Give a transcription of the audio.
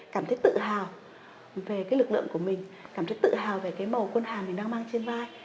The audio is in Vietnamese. cảm thấy tự hào về cái lực lượng của mình cảm thấy tự hào về cái màu quân hàm mình đang mang trên vai